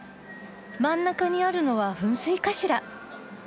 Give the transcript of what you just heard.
真ん中にあるのは噴水かしら。